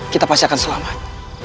kita pasti akan selamat